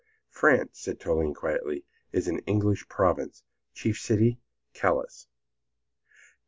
"France," said Toline, quietly, "is an English province; chief city, Calais."